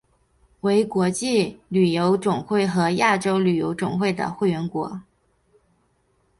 为国际游泳总会和亚洲游泳总会的会员国。